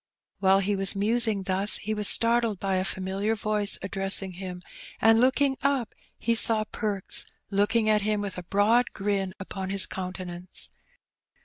While he was musing thus he was startled by a familiar voice addressing him, and looking up he saw Perks looking at him, with a broad grin upon his countenance.